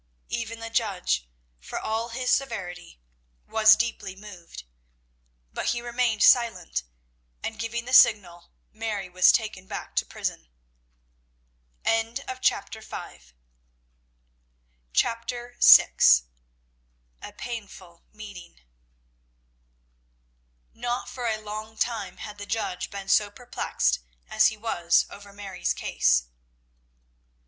Even the judge, for all his severity, was deeply moved; but he remained silent, and, giving the signal, Mary was taken back to prison. CHAPTER VI. A PAINFUL MEETING. Not for a long time had the judge been so perplexed as he was over Mary's case.